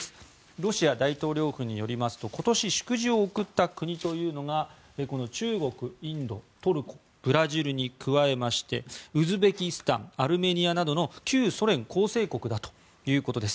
ロシア大統領府によりますと今年、祝辞を贈った国というのがこの中国、インド、トルコブラジルに加えましてウズベキスタンアルメニアなどの旧ソ連構成国だということです。